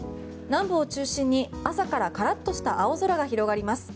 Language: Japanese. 南部を中心に朝からカラッとした青空が広がります。